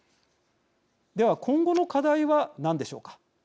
では、今後の課題は何でしょうか。